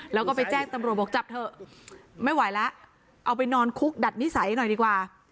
แล้วก็ไปแจ้งตำรวจบอกจับเถอะไม่ไหวแล้วเอาไปนอนคุกดัดนิสัยหน่อยดีกว่า